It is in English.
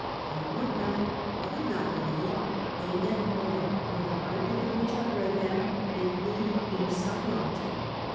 I would not, could not, believe they meant more, for the Bible in which I read them bid me be silent.